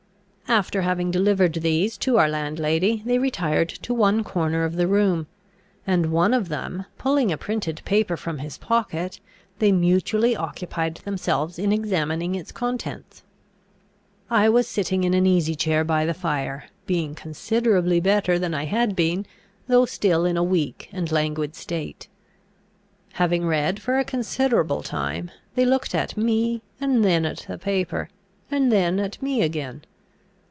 After having delivered these to our landlady, they retired to one corner of the room; and, one of them pulling a printed paper from his pocket, they mutually occupied themselves in examining its contents. I was sitting in an easy chair by the fire, being considerably better than I had been, though still in a weak and languid state. Having read for a considerable time, they looked at me, and then at the paper, and then at me again.